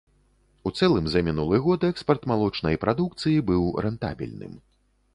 У цэлым за мінулы год экспарт малочнай прадукцыі быў рэнтабельным.